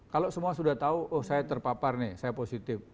kalau semua sudah tahu oh saya terpapar nih saya positif